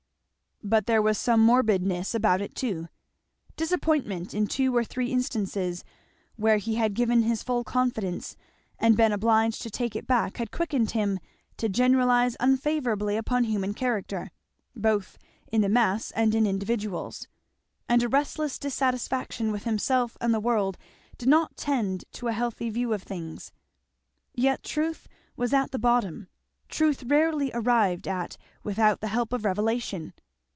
But there was some morbidness about it too. Disappointment in two or three instances where he had given his full confidence and been obliged to take it back had quickened him to generalize unfavourably upon human character, both in the mass and in individuals. And a restless dissatisfaction with himself and the world did not tend to a healthy view of things. Yet truth was at the bottom; truth rarely arrived at without the help of revelation.